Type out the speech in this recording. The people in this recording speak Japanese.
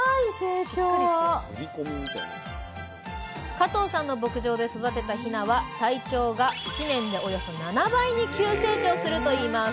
加藤さんの牧場で育てたヒナは体長が１年でおよそ７倍に急成長するといいます。